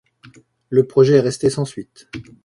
Le projet est resté sans suite.